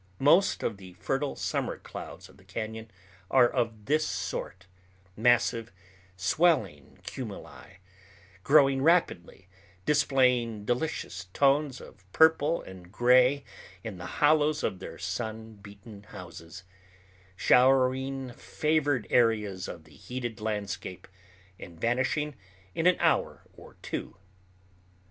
Most of the fertile summer clouds of the cañon are of this sort, massive, swelling cumuli, growing rapidly, displaying delicious tones of purple and gray in the hollows of their sun beaten houses, showering favored areas of the heated landscape, and vanishing in an hour or two.